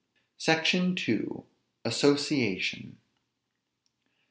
SECTION II. ASSOCIATION.